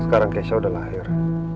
sekarang kesha udah lahir